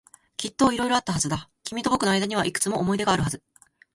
きっと色々あったはずだ。君と僕の間にはいくつも思い出があるはず。